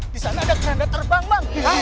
disana ada keranda terbang bang